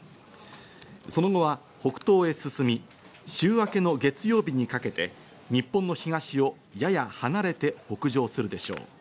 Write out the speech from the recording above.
その後は北東へ進み、週明けの月曜日にかけて日本の東をやや離れて北上するでしょう。